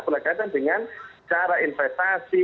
berkaitan dengan cara investasi